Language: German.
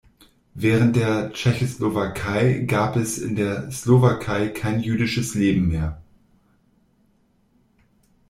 Während der Tschechoslowakei gab es in der Slowakei kein jüdisches Leben mehr.